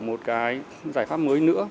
một cái giải pháp mới nữa